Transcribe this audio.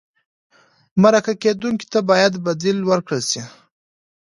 مرکه کېدونکي ته باید بدل ورکړل شي.